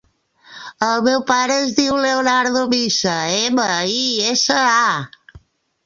El meu pare es diu Leonardo Misa: ema, i, essa, a.